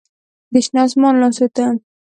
د شنه اسمان لاسو ته